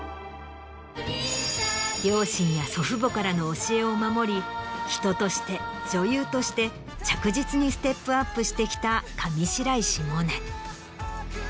両親や祖父母からの教えを守り人として女優として着実にステップアップしてきた上白石萌音。